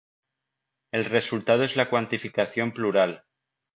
El resultado es la cuantificación plural.